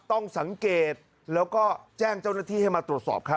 ต้องสังเกตแล้วก็แจ้งเจ้าหน้าที่ให้มาตรวจสอบครับ